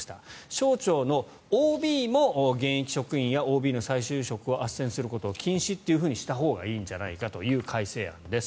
省庁のＯＢも現役職員やＯＢの再就職をあっせんすることを禁止にしたほうがいいんじゃないかという改正案です。